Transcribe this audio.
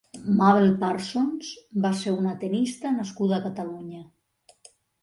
Mabel Parsons va ser una tennista nascuda a Catalunya.